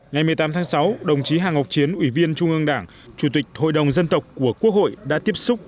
ngày một mươi tám tháng sáu đồng chí hà ngọc chiến ủy viên trung ương đảng chủ tịch hội đồng dân tộc của quốc hội đã tiếp xúc